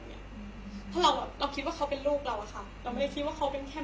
เราคิดว่าเขาเป็นลูกเราเราไม่คิดว่าเขาเป็นแมว